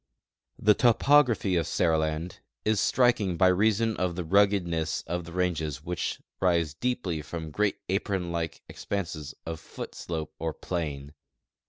The toi)Ography of Seriland is striking by reason of the rugged ness of tlie ranges which rise steeply from great apron like ex ]tanses of foot slope or plain.